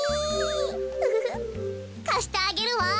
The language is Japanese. ウフフかしてあげるわ。